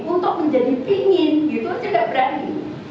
untuk menjadi pingin gitu saya nggak berani